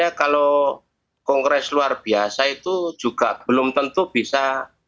ya kalau kongres luar biasa itu juga belum tentu bisa